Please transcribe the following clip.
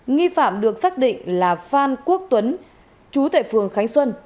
nghi phạm được xác định là phan quốc tuấn chú tại phường khánh xuân